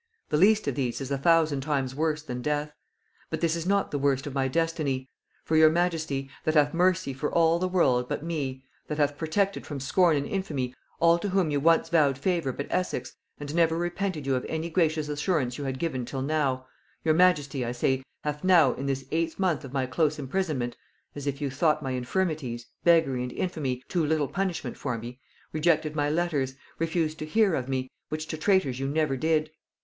The least of these is a thousand times worse than death. But this is not the worst of my destiny; for your majesty, that hath mercy for all the world but me, that hath protected from scorn and infamy all to whom you once vowed favor but Essex, and never repented you of any gracious assurance you had given till now; your majesty, I say, hath now, in this eighth month of my close imprisonment (as if you thought my infirmities, beggary and infamy, too little punishment for me), rejected my letters, refused to hear of me, which to traitors you never did.